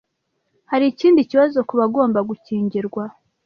Hari ikindi kibazo ku bagomba gukingirwa.